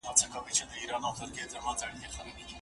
په هر څه کي مثبت لیدلوری ولرئ.